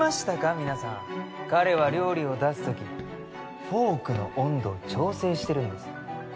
皆さん彼は料理を出す時フォークの温度を調整してるんです